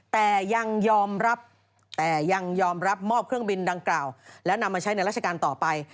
แต่ยังยอมรับมอบเครื่องบินดังกล่าวและนำมาใช้ในราชการต่อไป